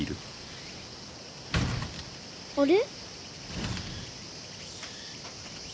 あれ？